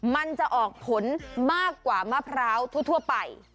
มันจะออกผลมากกว่ามะพร้าวทั่วไป